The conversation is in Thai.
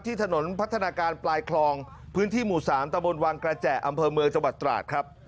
ถนนพัฒนาการปลายคลองพื้นที่หมู่๓ตะบนวังกระแจอำเภอเมืองจังหวัดตราดครับ